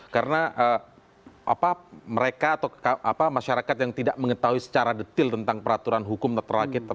karena mereka atau masyarakat yang tidak mengetahui secara detil tentang peraturan hukum terrakit